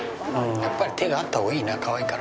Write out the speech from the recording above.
やっぱり手があった方がいいなかわいいから。